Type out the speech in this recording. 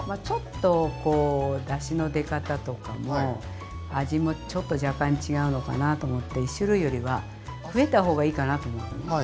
ちょっとこうだしの出方とかも味もちょっと若干違うのかなと思って１種類よりは増えた方がいいかなと思うのね。